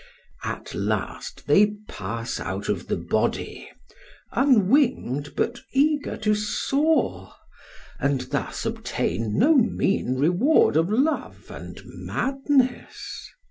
At last they pass out of the body, unwinged, but eager to soar, and thus obtain no mean reward of love and madness.